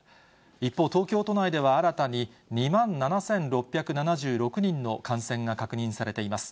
一方、東京都内では新たに２万７６７６人の感染が確認されています。